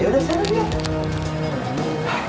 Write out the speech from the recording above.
yaudah sana dia